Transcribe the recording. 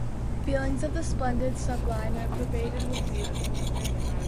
Feelings of the splendid sublime are pervaded with beauty.